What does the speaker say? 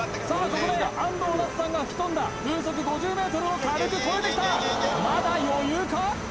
ここで安藤なつさんが吹き飛んだ風速５０メートルを軽く超えてきたまだ余裕か？